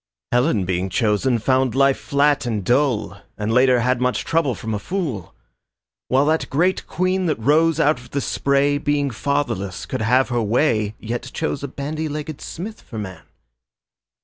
Helen being chosen found life flat and dull And later had much trouble from a fool, While that great Queen, that rose out of the spray, Being fatherless could have her way Yet chose a bandy legged smith for man.